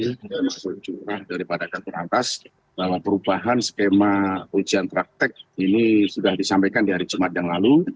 maksudnya daripada ketua atas bahwa perubahan skema ujian praktek ini sudah disampaikan di hari jumat yang lalu